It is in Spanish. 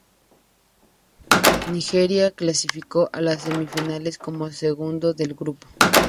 Nigeria clasificó a las semifinales como segundo del grupo.